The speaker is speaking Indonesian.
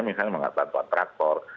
misalnya mengatakan buat traktor